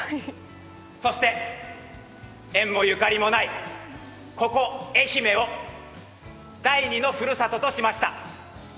そして縁もゆかりもないここ愛媛を第二の故郷としました。